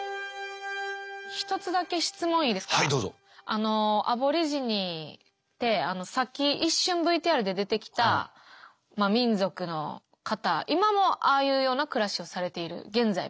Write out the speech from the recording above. あのアボリジニってさっき一瞬ＶＴＲで出てきた民族の方今もああいうような暮らしをされている現在も。